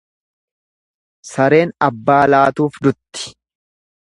Sareen abbaa laatuuf dutti.